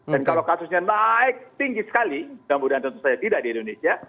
dan kalau kasusnya naik tinggi sekali semoga tentu saja tidak di indonesia